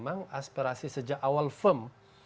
memang aspirasi sejak awal firm